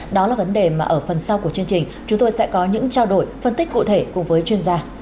đó là vấn đề mà ở phần sau của chương trình chúng tôi sẽ có những trao đổi phân tích cụ thể cùng với chuyên gia